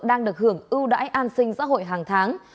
đang được hưởng ưu đãi an sinh xã hội hàng tháng